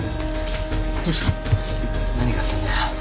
何があったんだよ。